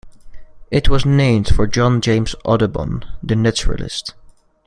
It was named for John James Audubon, the naturalist.